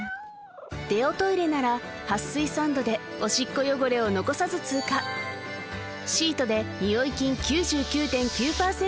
デオトイレなら撥水サンドでオシッコ汚れを残さず通過シートでニオイ菌９９．９％